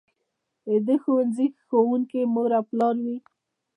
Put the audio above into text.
د دې ښوونځي ښوونکي مور او پلار وي.